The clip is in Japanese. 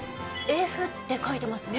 「Ｆ」って書いてますね。